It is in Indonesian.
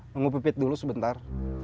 tunggu pipit dulu sebentar